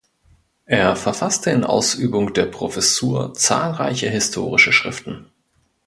Er verfasste in Ausübung der Professur zahlreiche historische Schriften.